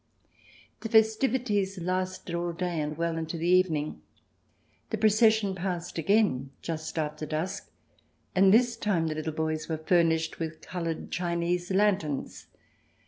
The festivities lasted all day and well into the evening. The procession passed again just after dusk, and this time the little boys were furnished with coloured Chinese lanterns.